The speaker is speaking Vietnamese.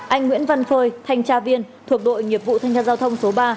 anh nguyễn văn phơi thanh tra viên thuộc đội nghiệp vụ thanh tra giao thông số ba